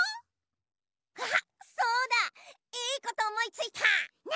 あっそうだいいことおもいついた！